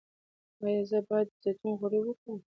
ایا زه باید د زیتون غوړي وخورم؟